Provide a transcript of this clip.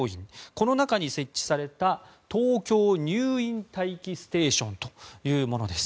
この中に設置されたＴＯＫＹＯ入院待機ステーションというものです。